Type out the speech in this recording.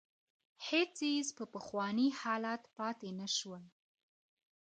هېڅ څېز په پخواني حالت پاتې نه شول.